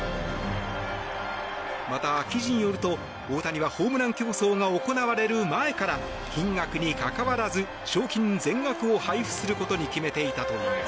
また、記事によると大谷はホームラン競争が行われる前から金額に関わらず賞金全額を配布することに決めていたといいます。